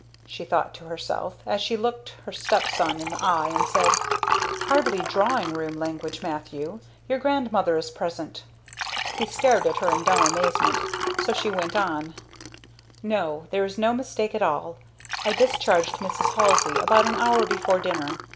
she thought to herself, as she looked her stepson in the eye and said, "Hardly drawing room language, Matthew. Your grandmother is present!" He stared at her in dumb amazement, so she went on, "No, there is no mistake at all. I discharged Mrs. Halsey about an hour before dinner.